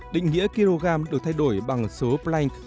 định nghĩa kg được thay đổi bằng số planck